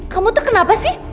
kamu itu kenapa sih